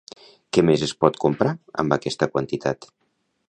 Què més es pot comprar amb aquesta quantitat?